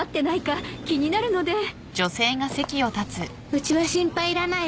うちは心配いらないわ。